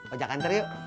ojak antar yuk